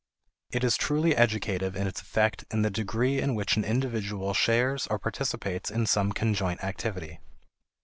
It is truly educative in its effect in the degree in which an individual shares or participates in some conjoint activity.